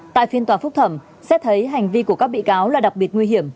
tại phiên tòa phúc thẩm xét thấy hành vi của các bị cáo là đặc biệt nguy hiểm